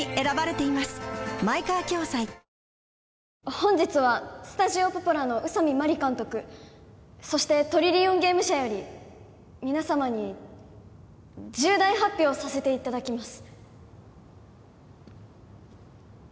本日はスタジオポポラの宇佐美マリ監督そしてトリリオンゲーム社より皆様に重大発表させていただきます